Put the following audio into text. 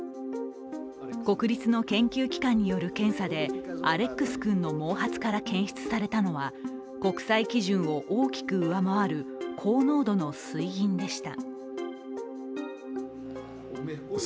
国立の研究機関による検査でアレックス君の毛髪から検出されたのは国際基準を大きく上回る高濃度の水銀でした。